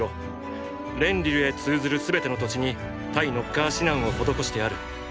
レンリルへ通ずる全ての土地に対ノッカー指南を施してある。